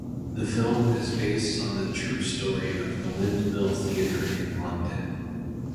The film is based on the true story of the Windmill Theatre in London.